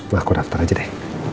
wah aku daftar aja deh